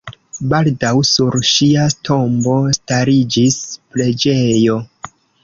Baldaŭ sur ŝia tombo stariĝis preĝejo.